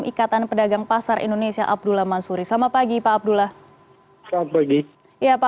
ikatan pedagang pasar indonesia abdullah mansuri selamat pagi pak abdullah selamat pagi ya pak